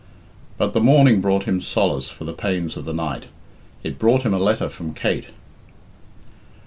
But the morning brought him solace for the pains of the night it brought him a letter from Kate.